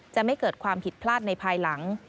ไม่เกิดความผิดพลาดในภายหลัง